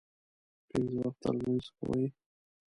پنځه وخته لمونځ کوي.